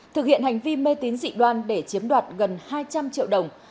thực hiện hành vi mê tín dị đoan để chiếm đoạt gần hai trăm linh triệu đồng